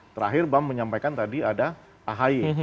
terakhir bang menyampaikan tadi ada ahy